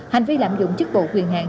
hành vi lạm dụng chức vụ quyền hạng